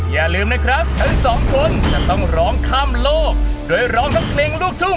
อย่าลืมนะครับทั้งสองคน